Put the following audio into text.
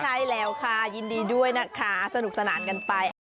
ใช่แล้วค่ะยินดีด้วยนะคะสนุกสนานกันไป